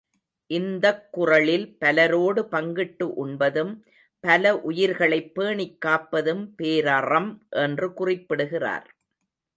இந்தக் குறளில் பலரோடு பங்கிட்டு உண்பதும், பல உயிர்களைப் பேணிக் காப்பதும் பேரறம் என்று குறிப்பிடுகிறார்.